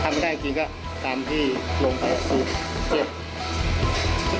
ถ้าไม่ได้ก็พร้อมพี่ลงไปก็เจ็บ